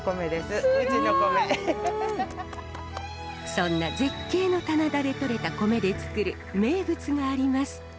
そんな絶景の棚田でとれた米でつくる名物があります。